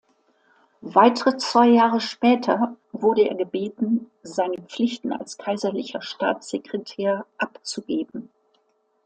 Weitere zwei Jahre später wurde er gebeten, seine Pflichten als Kaiserlicher Staatssekretär abzugeben.